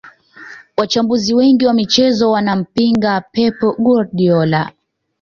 wachambuzi wengiwa michezo wanampinga pep guardiola